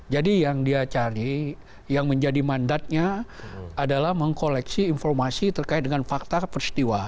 jadi yang dia cari yang menjadi mandatnya adalah mengkoleksi informasi terkait dengan fakta persetiwa